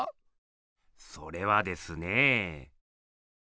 それはですね